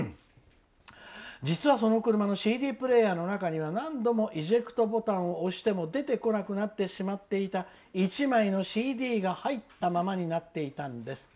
「実はその車のＣＤプレーヤーの中には何度もイジェクトボタンを押しても出てこなくなってしまっていた１枚のＣＤが入ったままになっていたんです。